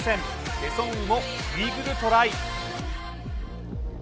ペ・ソンウのイーグルトライ。